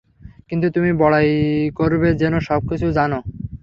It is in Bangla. কিন্তু তুমি বড়াই করবে যেন সবকিছু জানো।